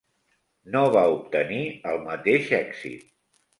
No va obtenir el mateix èxit.